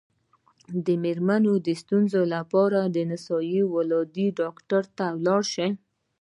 د میرمنو د ستونزو لپاره د نسایي ولادي ډاکټر ته لاړ شئ